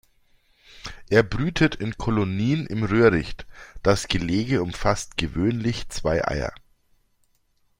Er brütet in Kolonien im Röhricht, das Gelege umfasst gewöhnlich zwei Eier.